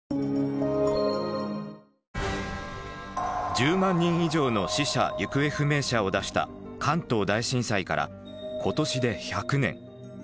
１０万人以上の死者・行方不明者を出した関東大震災から今年で１００年。